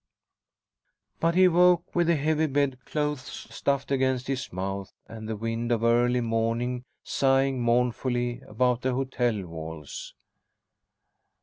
But he woke, with the heavy bed clothes stuffed against his mouth and the wind of early morning sighing mournfully about the hotel walls.